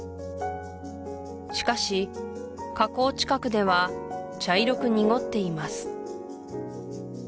しかし河口近くでは茶色く濁っています